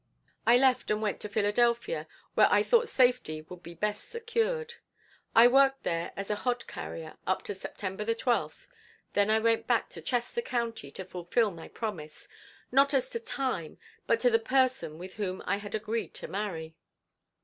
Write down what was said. I left and went to Philadelphia where I thought safety would be best secured. I worked there as a hod carrier up to September 12, then I went back to Chester county to fulfil my promise, not as to time, but to the person with whom I had agreed to marry.